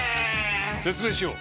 説明しよう！